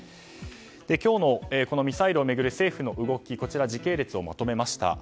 今日のこのミサイルを巡る政府の動き時系列をまとめました。